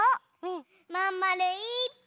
まんまるいっぱい！